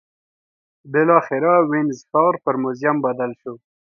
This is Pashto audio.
بالاخره وینز ښار پر موزیم بدل شو